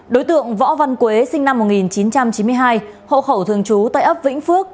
đối tượng võ văn quế sinh năm một nghìn chín trăm chín mươi hai hộ khẩu thường trú tại ấp vĩnh phước